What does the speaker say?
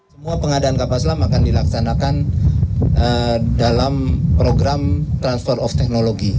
semua pengadaan kapal selam akan dilaksanakan dalam program transfer of technology